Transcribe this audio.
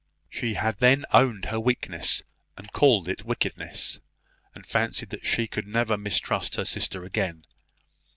She had then owned her weakness, and called it wickedness, and fancied that she could never mistrust her sister again.